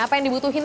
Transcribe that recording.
apa yang dibutuhkan